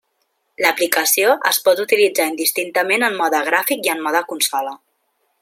L'aplicació es pot utilitzar indistintament en mode gràfic i en mode consola.